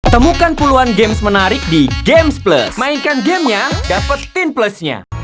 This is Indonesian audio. temukan puluhan games menarik di gamesplus